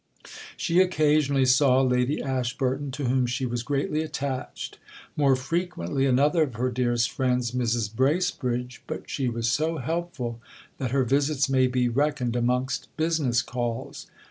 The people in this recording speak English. She occasionally saw Lady Ashburton, to whom she was greatly attached; more frequently another of her dearest friends, Mrs. Bracebridge, but she was so helpful that her visits may be reckoned amongst business calls.